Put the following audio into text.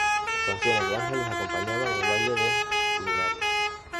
Canciones de ángeles acompañaban el baile de luminarias.